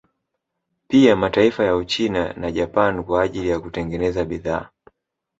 Pia mataifa ya Uchina na Japan kwa ajili ya kutengeneza bidhaa